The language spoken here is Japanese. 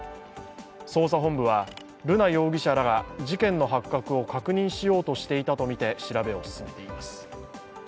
捜査本部は瑠奈容疑者らが事件の発覚を確認しようとしていたとみて、調べを進めています。